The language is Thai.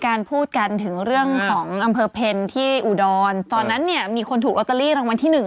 ซากทิตอ์เต็มอย่างนั้นตำบลเพลนเหรออ๋อพระวัดปิดเลย